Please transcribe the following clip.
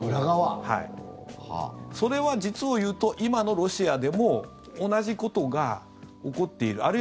それは実をいうと今のロシアでも同じことが起こっている。